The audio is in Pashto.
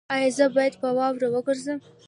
ایا زه باید په واوره وګرځم؟